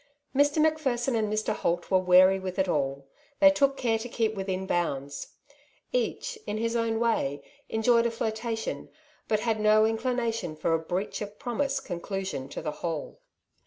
Mr. Macpherson and Mr. Holt were wary with it all; they took care to keep within bounds. Each, in his own way, enjoyed a flirtation, but had no inclination for a ^^ breach of promise " conclusion to the whole.